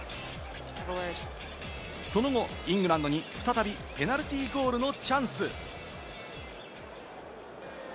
その後、イングランドに再びペナルティーゴールのチャンス。